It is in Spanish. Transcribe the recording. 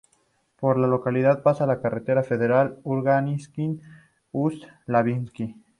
Por la localidad pasa la carretera federal Kurgáninsk-Ust-Labinsk.